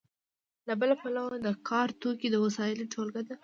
له بله پلوه د کار توکي د وسایلو ټولګه ده.